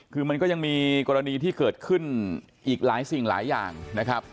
คือมันก็ยังมีกรณีที่เกิดขึ้นอีกหลายสิ่งหลายอย่างนะครับ